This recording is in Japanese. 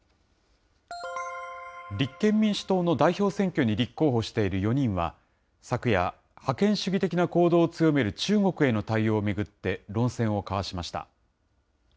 立憲民主党の代表選挙に立候補している４人は、昨夜、覇権主義的な行動を強める中国への対応を巡って、論戦を交わしました。